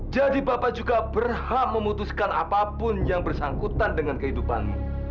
jadi bapak juga berhak memutuskan apapun yang bersangkutan dengan kehidupanmu